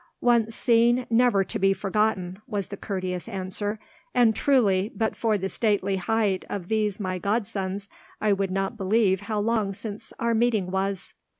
"Once seen, never to be forgotten," was the courteous answer: "and truly, but for the stately height of these my godsons I would not believe how long since our meeting was."